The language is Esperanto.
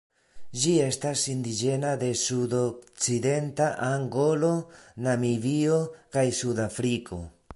Ĝi estas indiĝena de sudokcidenta Angolo, Namibio kaj Sudafriko.